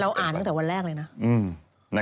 อ่านตั้งแต่วันแรกเลยนะ